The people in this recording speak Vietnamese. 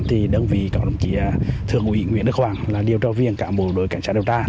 thì đồng chí thượng ủy nguyễn đức hoàng là điều trợ viên cả một đội cảnh sát điều tra